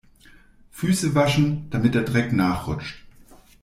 Füße waschen, damit der Dreck nachrutscht.